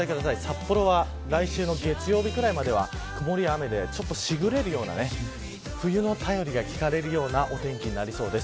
札幌は来週の月曜日くらいまでは曇りや雨でしぐれるような冬の便りが聞かれるようなお天気になりそうです。